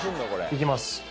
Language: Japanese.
いきます